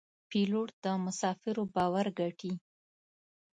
پیلوټ د مسافرو باور ګټي.